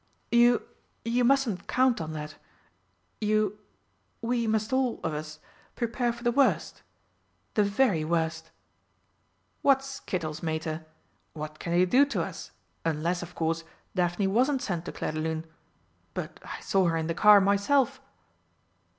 "You you mustn't count on that. You we must all of us prepare for the worst, the very worst." "What skittles, Mater! What can they do to us, unless, of course, Daphne wasn't sent to Clairdelune. But I saw her in the car myself."